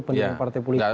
pendirian partai politik